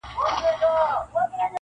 دوه قدمه فاصله ده ستا تر وصله,